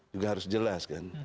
juga harus jelas kan